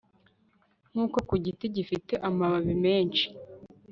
nk'uko ku giti gifite amababi menshi